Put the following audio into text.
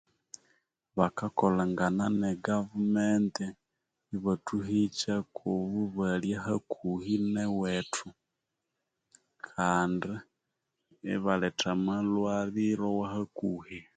Bakakolangana ne gavumenti I bathuhikyaku obubalya hakuhi ne wethu Kandi ibaletha amalwaliro hakuhi